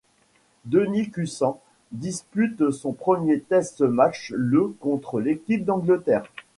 Denis Cussen dispute son premier test match le contre l'équipe d'Angleterre.